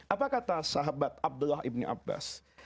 apa kata sahabat abdullah ibni abbas